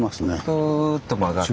くっと曲がって。